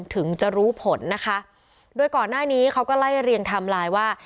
ถึงจะรู้ผลนะคะโดยก่อนหน้านี้เขาก็ไล่เรียงไทม์ไลน์ว่า